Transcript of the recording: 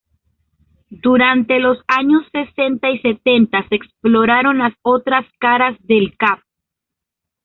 Durante los años sesenta y setenta se exploraron las otras caras de "El Cap".